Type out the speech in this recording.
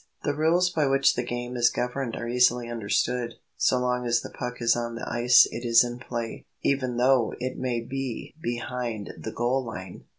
The rules by which the game is governed are easily understood. So long as the puck is on the ice it is in play, even though it be behind the goal line.